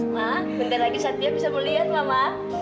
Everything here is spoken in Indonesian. ma bentar lagi satria bisa melihat mama